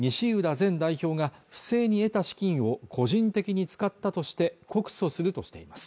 前代表が不正に得た資金を個人的に使ったとして告訴するとしています